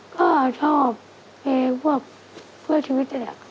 ก็ชอบเพลงเพื่อชีวิตอีก